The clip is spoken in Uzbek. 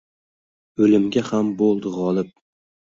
Oʼlimga ham boʼldi gʼolib